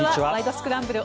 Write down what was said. スクランブル」